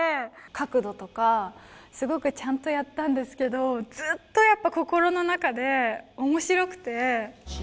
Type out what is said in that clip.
角度とか、すごくちゃんとやったんですけど、ずっとやっぱ心の中でおもしろくて。